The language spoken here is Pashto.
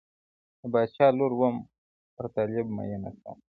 د پاچا لور وم پر طالب مینه سومه؛